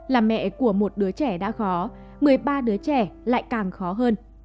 là mẹ của một đứa trẻ đã khó một mươi ba đứa trẻ lại càng khó hơn